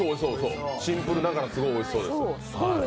シンプルながらすごいおいしそうです。